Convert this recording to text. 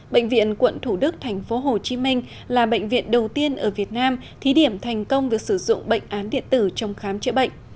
bệnh viện quận thủ đức thành phố hồ chí minh là bệnh viện đầu tiên ở việt nam thí điểm thành công việc sử dụng bệnh án điện tử trong khám chữa bệnh